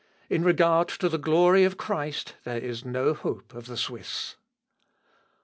In regard to the glory of Christ, there is no hope of the Swiss."